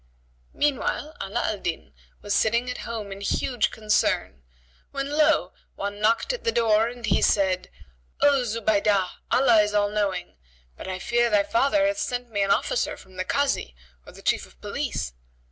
Meanwhile Ala al Din was sitting at home in huge concern, when lo! one knocked at the door and he said, "O Zubaydah, Allah is all knowing! but I fear thy father hath sent me an officer from the Kazi or the Chief of Police."